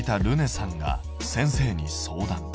さんが先生に相談。